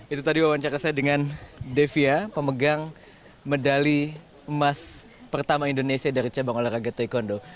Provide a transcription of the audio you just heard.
itu tadi wawancara saya dengan devia pemegang medali emas pertama indonesia dari cabang olahraga taekwondo